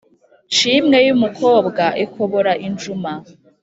Nshimwe y’umukobwa ikobora injuma